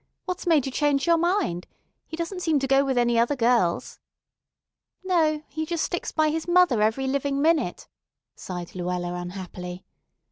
What's made you change your mind? He doesn't seem to go with any other girls." "No, he just sticks by his mother every living minute," sighed Luella unhappily.